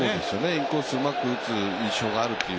インコースをうまく打つ印象があるという。